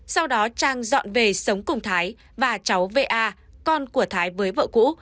sau đó trang dọn về sống cùng thái và cháu v a con của thái với vợ cũ